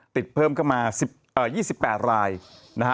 ติดเพิ่มเข้ามา๒๘รายนะฮะ